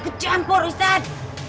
kau jangan kejemput ustaz